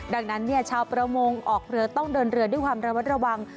ดังนั้นชาวประมงออกเรือต้องเดินเรือด้วยความระวัดระวัง